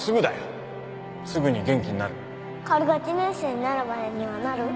薫が１年生になるまでにはなる？